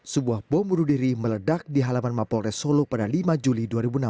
sebuah bom berdiri meledak di halaman mapol resolo pada lima juli dua ribu enam belas